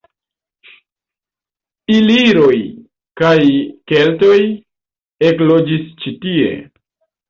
Iliroj kaj keltoj ekloĝis ĉi tie.